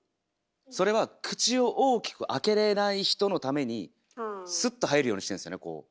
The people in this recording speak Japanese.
それは口を大きく開けれない人のためにスッと入るようにしてるんですよねこう。